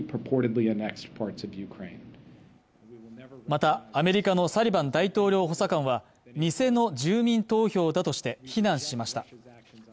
またアメリカのサリバン大統領補佐官は偽の住民投票だとして非難しました